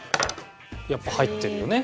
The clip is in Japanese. やっぱ入ってるよね